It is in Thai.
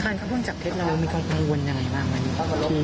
ค่านเข้าเครื่องจับเท็จแล้วมีการอวนยังไงบ้างวันนี้